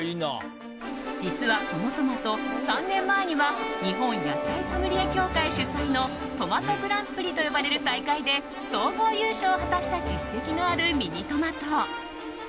実はこのトマト３年前には日本野菜ソムリエ協会主催のトマトグランプリと呼ばれる大会で総合優勝を果たした実績のあるミニトマト。